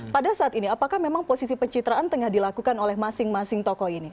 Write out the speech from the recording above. pada saat ini apakah memang posisi pencitraan tengah dilakukan oleh masing masing tokoh ini